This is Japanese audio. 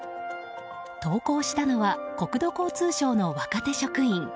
投降したのは国土交通省の若手職員。